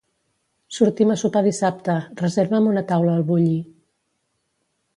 Sortim a sopar dissabte, reserva'm una taula al Bulli.